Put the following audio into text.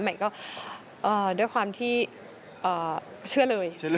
หมายความว่าด้วยความที่เชื่อเลย